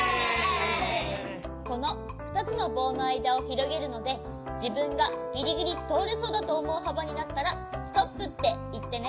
このふたつのぼうのあいだをひろげるのでじぶんがギリギリとおれそうだとおもうはばになったらストップっていってね。